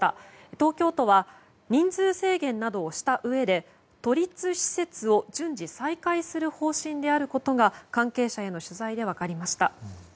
東京都は人数制限などをしたうえで都立施設を順次再開する方針であることが関係者への取材で分かりました。